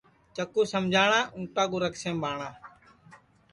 چکُو سمجاوٹؔا اُنٚٹا کُو رکسیم ٻاوٹؔا